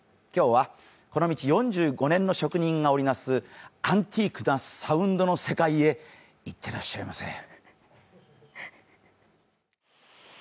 今日はこの道４５年の職人が織り成すアンティークなサウンドの世界へ行ってらっしゃいませ。